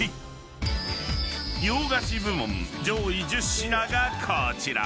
［洋菓子部門上位１０品がこちら］